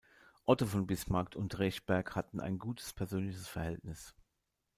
Otto von Bismarck und Rechberg hatten ein gutes persönliches Verhältnis.